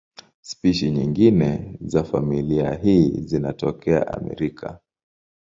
Spishi nyingine za familia hii zinatokea Amerika.